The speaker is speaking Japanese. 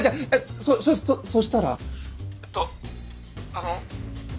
そっそしたらどっあの。